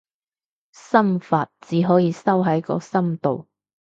心法，只可以收喺個心度